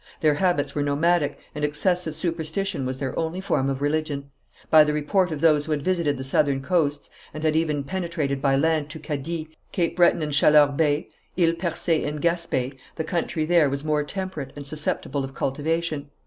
Their habits were nomadic, and excessive superstition was their only form of religion. By the report of those who had visited the southern coasts, and had even penetrated by land to Cadie, Cape Breton and Chaleurs Bay, Ile Percé and Gaspé, the country there was more temperate, and susceptible of cultivation.